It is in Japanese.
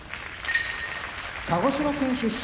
鹿児島県出身